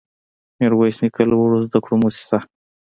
ميرويس نيکه لوړو زده کړو مؤسسه